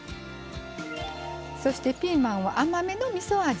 そしてピーマンは甘めのみそ味。